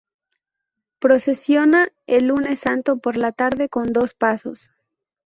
Procesiona el Lunes Santo por la tarde con dos pasos.